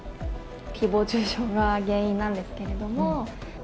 ひぼう中傷が原因なんですけれども。